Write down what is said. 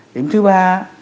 điểm thứ ba